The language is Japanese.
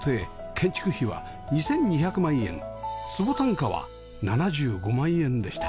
建築費は２２００万円坪単価は７５万円でした